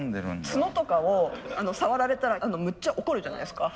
角とかを触られたらむっちゃ怒るじゃないですか。